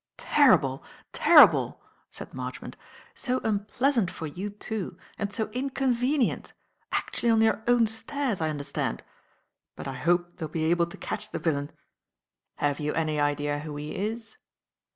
"Terrible! Terrible!" said Marchmont. "So unpleasant for you, too, and so inconvenient. Actually on your own stairs, I understand. But I hope they'll be able to catch the villain. Have you any idea who he is?"